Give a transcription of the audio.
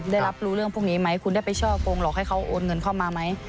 ได้รับรู้เรื่องพวกนี้ไหมคุณได้ไปช่อกงหลอกให้เขาโอนเงินเข้ามาไหม